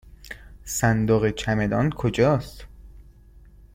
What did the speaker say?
صندوق چمدان کجاست؟